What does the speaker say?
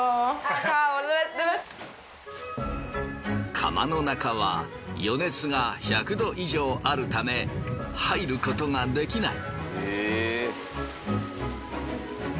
窯の中は余熱が１００℃以上あるため入ることができない。